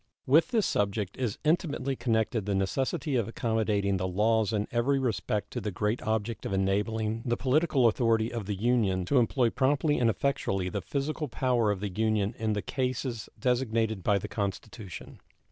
With this subject is intimately connected the necessity of accommodating the laws in every respect to the great object of enabling the political authority of the Union to employ promptly and effectually the physical power of the Union in the cases designated by the Constitution.